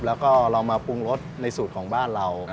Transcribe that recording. แล้วก็เรามาปรุงรสในสูตรของบ้านเรา